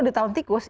di tahun tikus